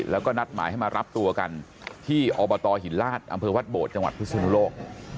แล้วก็นัดหมายให้มารับตัวกันที่อบตหินลาศอำเภอวัดโบดจังหวัดพิศนุโลก